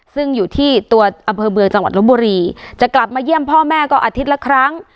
ซึ่งอยู่ที่ตัวอำเภอเมืองจังหวัดลบบุรีจะกลับมาเยี่ยมพ่อแม่ก็อาทิตย์ละครั้ง